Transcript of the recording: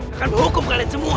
akan berhukum kalian semua